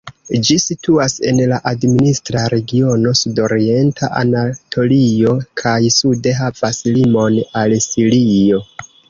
Ĝi situas en la administra regiono Sudorienta Anatolio, kaj sude havas limon al Sirio.